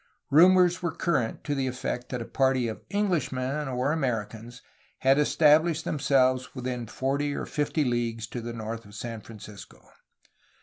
Rumors were current to the effect that a party of Englishmen or Americans had estab lished themselves within forty or fifty leagues to the north of San Francisco.